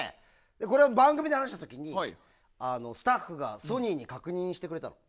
これを番組で話した時にスタッフがソニーに確認してくれたの。